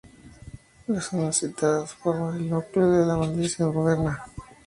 Las zonas citadas forman el núcleo de la Melanesia moderna.